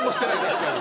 確かに。